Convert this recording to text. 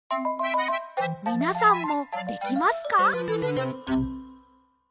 みなさんもできますか？